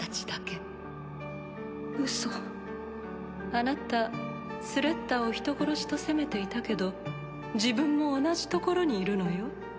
あなたスレッタを「人殺し」と責めていたけど自分も同じ所にいるのよ。